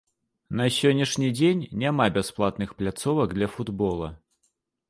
На сённяшні дзень няма бясплатных пляцовак для футбола.